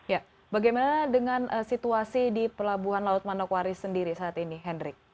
ya bagaimana dengan situasi di pelabuhan laut manokwari sendiri saat ini henry